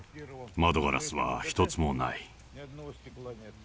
窓ガラスは一つもない。